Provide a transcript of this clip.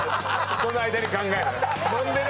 この間に考える。